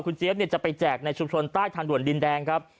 คุณเจฟเนี่ยจะไปแจกในชุมชนใต้ธันดรดดินแดงครับ